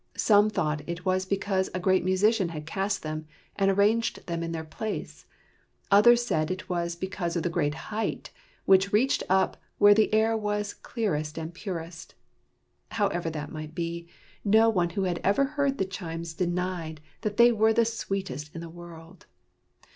Some thought it was because a great musician had cast them and arranged them in their place; others said it was because of the great height, which reached up where the air was clearest and purest: however that might be, no one who had ever heard the chimes denied that they were the sweetest in the world.